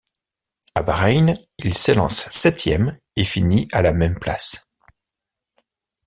À Bahreïn, il s'élance septième et finit à la même place.